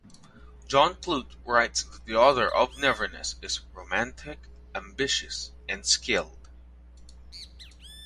John Clute writes that the author of "Neverness" is "romantic, ambitious, and skilled.